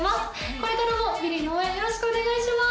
これからもＢｉｌｌｌｉｅの応援よろしくお願いします。